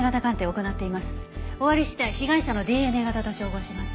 終わり次第被害者のＤＮＡ型と照合します。